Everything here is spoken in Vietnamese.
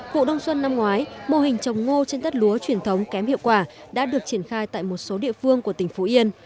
vụ đông xuân năm ngoái mô hình trồng ngô trên đất lúa truyền thống kém hiệu quả đã được triển khai tại một số địa phương của tỉnh phú yên